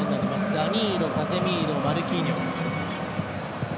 ダニーロ、カゼミーロマルキーニョス。